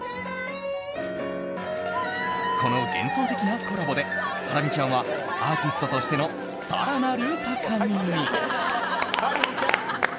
この幻想的なコラボでハラミちゃんはアーティストとしての更なる高みに。